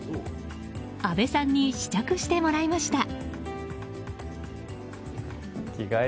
阿部さんに試着してもらいました。